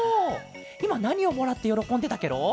いまなにをもらってよろこんでたケロ？